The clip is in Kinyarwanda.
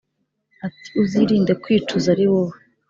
ati”uzirinde kwicuza ariwowe